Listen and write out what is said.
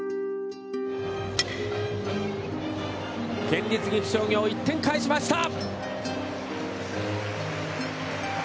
県立岐阜商業、１点返しました！